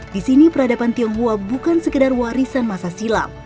di sini peradaban tionghoa bukan sekedar warisan masa silam